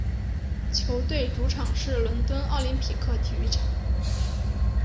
球队主场是伦敦奥林匹克体育场。